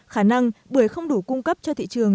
khả năng bưởi không đủ cung cấp cho thị trường